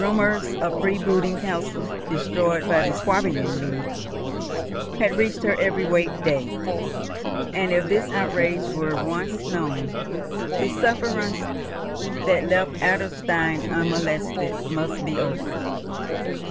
Rumours of freebooting castles destroyed by the Swabian League had reached her every wake day, and, if this outrage were once known, the sufferance that left Adlerstein unmolested must be over.